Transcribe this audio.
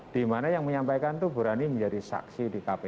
dimana yang menyampaikan itu berani menjadi saksi di kpk